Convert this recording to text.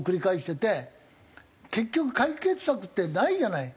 結局解決策ってないじゃない。